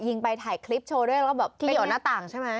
ยิงไปถ่ายคลิปโชว์ด้วยแล้วก็แบบที่หยอดหน้าต่างใช่ไหม